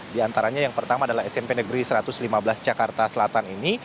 di antaranya yang pertama adalah smp negeri satu ratus lima belas jakarta selatan ini